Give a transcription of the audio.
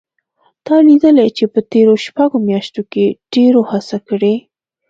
تا لیدلي چې په تېرو شپږو میاشتو کې ډېرو هڅه کړې